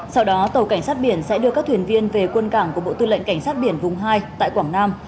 sau đó tàu cảnh sát biển sẽ đưa các thuyền viên về quân cảng của bộ tư lệnh cảnh sát biển vùng hai tại quảng nam